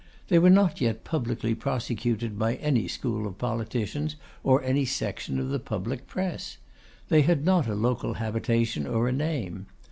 They were not yet publicly prosecuted by any school of politicians, or any section of the public press. They had not a local habitation or a name.